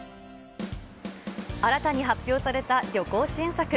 新たに発表された旅行支援策。